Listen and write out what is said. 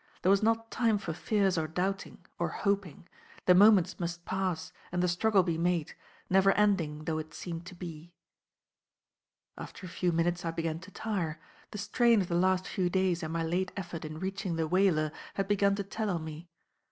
There was not time for fears or doubting, or hoping; the moments must pass and the struggle be made, never ending though it seemed to be. After a few minutes I began to tire; the strain of the last few days and my late effort in reaching the whaler had begun to tell on me.